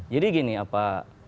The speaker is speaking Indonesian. jadi gini apa